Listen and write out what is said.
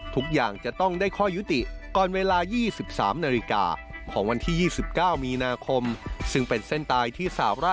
ทุกอย่างจะต้องได้คอยุติก่อนเวลา๒๓นาฬิกา